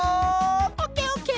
オッケーオッケー！